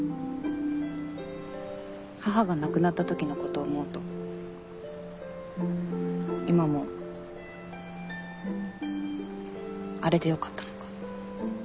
母が亡くなったときのことを思うと今もあれでよかったのか。